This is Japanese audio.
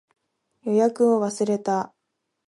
予約を忘れた